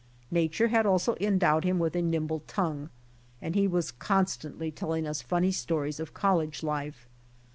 Nature had also endowed him with a nimble tongue, and he was constantly telling us funny stories of college life.